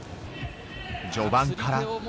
序盤から。